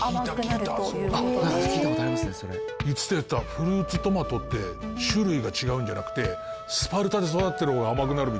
フルーツトマトって種類が違うんじゃなくてスパルタで育ててる方が甘くなるみたい。